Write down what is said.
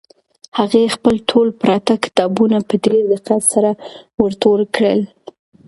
هغې خپل ټول پراته کتابونه په ډېر دقت سره ور ټول کړل.